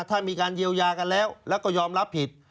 ถ้ามีการเยียวยากันแล้วแล้วก็ยอมรับผิด